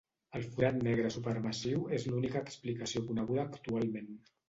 Un forat negre supermassiu és l’única explicació coneguda actualment.